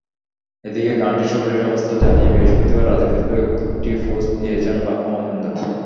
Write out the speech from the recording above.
এদিকে গানটির সর্বশেষ অবস্থা জানিয়ে বৃহস্পতিবার রাতে ফেসবুকে একটি পোস্ট দিয়েছেন বাপ্পা মজুমদার।